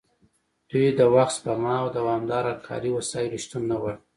دوی د وخت سپما او دوامداره کاري وسایلو شتون نه غواړي